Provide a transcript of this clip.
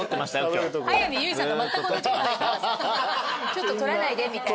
ちょっと撮らないでみたいな。